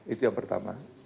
itu yang pertama